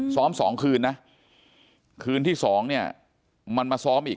สองคืนนะคืนที่สองเนี่ยมันมาซ้อมอีก